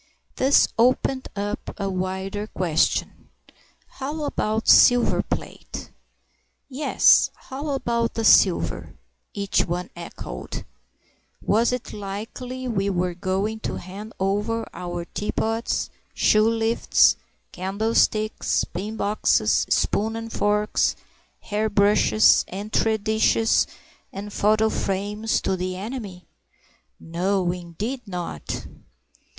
This opened up a wider question. How about silver plate? Yes, how about the silver? each one echoed. Was it likely we were going to hand over our teapots, shoelifts, candlesticks, pin boxes, spoons and forks, hair brushes, entrée dishes, and photo frames to the enemy? No, indeed not!